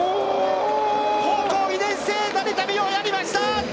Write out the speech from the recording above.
高校２年生、成田実生やりました！